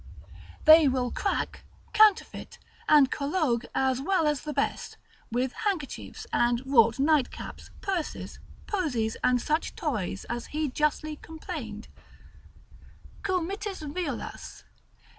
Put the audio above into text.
They will crack, counterfeit, and collogue as well as the best, with handkerchiefs, and wrought nightcaps, purses, posies, and such toys: as he justly complained, Cur mittis violas?